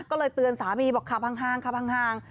ก็เลยเตือนสามีบอกขับห้าง